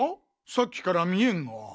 さっきから見えんが。